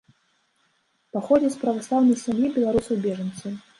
Паходзіць з праваслаўнай сям'і беларусаў-бежанцаў.